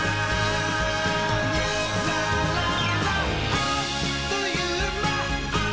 「あっというまっ！